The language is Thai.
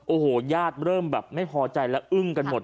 โอ้โหญาติเริ่มแบบไม่พอใจและอึ้งกันหมด